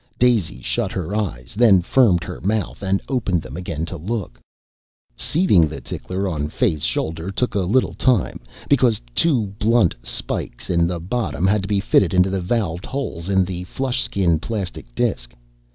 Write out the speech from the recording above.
Daisy shut her eyes, then firmed her mouth and opened them again to look. Seating the tickler on Fay's shoulder took a little time, because two blunt spikes in its bottom had to be fitted into the valved holes in the flush skin plastic disk.